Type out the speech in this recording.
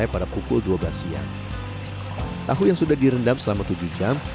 harga kacang kedelai yang terus naik menjadi tantangan